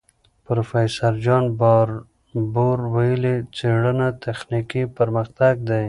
پروفیسور جان باربور ویلي، څېړنه تخنیکي پرمختګ دی.